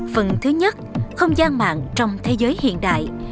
phần thứ nhất không gian mạng trong thế giới hiện đại